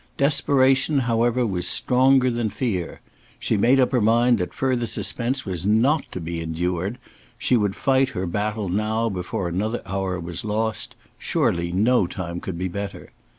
Desperation, however, was stronger than fear. She made up her mind that further suspense was not to be endured; she would fight her baffle now before another hour was lost; surely no time could be better.